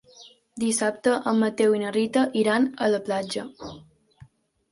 Dissabte en Mateu i na Rita iran a la platja.